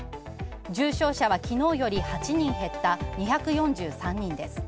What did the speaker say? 重症者は昨日より８人減った２４３人です。